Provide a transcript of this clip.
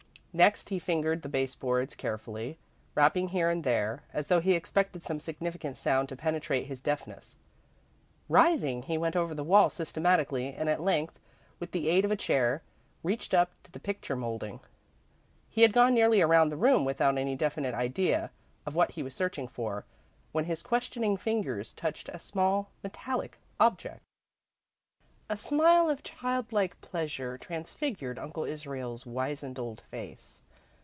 Next, he fingered the baseboards carefully, rapping here and there, as though he expected some significant sound to penetrate his deafness. Rising, he went over the wall systematically, and at length, with the aid of a chair, reached up to the picture moulding. He had gone nearly around the room, without any definite idea of what he was searching for, when his questioning fingers touched a small, metallic object. A smile of childlike pleasure transfigured Uncle Israel's wizened old face.